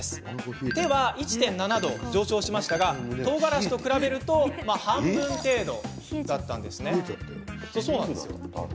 手は１．７度上昇しましたがとうがらしと比べて半分程度だったんですね。